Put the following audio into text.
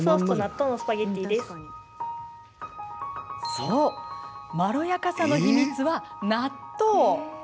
そうまろやかさの秘密は納豆。